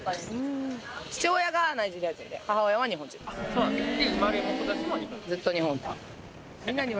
そうなんですね。